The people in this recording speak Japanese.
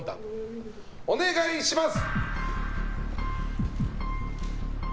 お願いします！